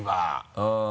うん。